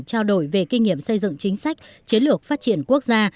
trao đổi về kinh nghiệm xây dựng chính sách chiến lược phát triển quốc gia